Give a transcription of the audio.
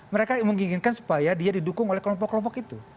mereka menginginkan supaya dia didukung oleh kelompok kelompok itu